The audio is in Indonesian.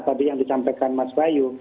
tadi yang disampaikan mas bayu